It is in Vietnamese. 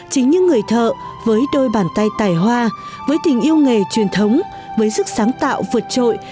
chính những người thợ với đôi bàn tay tài hoa với tình yêu nghề truyền thống với sức sáng tạo vượt trội